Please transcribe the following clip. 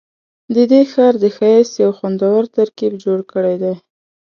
ددې ښار د ښایست یو خوندور ترکیب جوړ کړی دی.